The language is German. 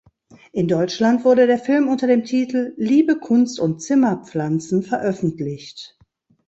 In Deutschland wurde der Film unter dem Titel "Liebe, Kunst und Zimmerpflanzen" veröffentlicht.